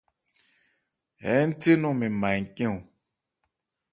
Hɛ hɛ́nthé nɔn mɛn ma ncɛ́n.